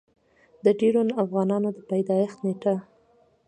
د ډېرو افغانانو د پېدايښت نيټه